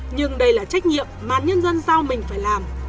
nhưng đây là trách nhiệm mà nhân dân giao mình phải làm